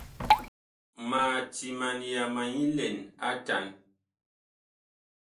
Ma timan yama nyi lɛn atan.